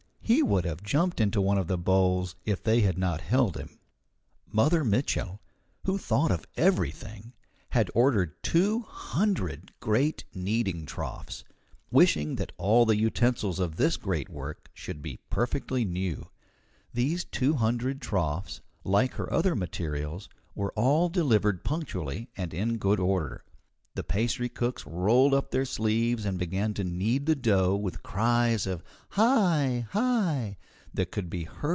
He would have jumped into one of the bowls if they had not held him. Mother Mitchel, who thought of everything, had ordered two hundred great kneading troughs, wishing that all the utensils of this great work should be perfectly new. These two hundred troughs, like her other materials, were all delivered punctually and in good order. The pastry cooks rolled up their sleeves and began to knead the dough with cries of "Hi!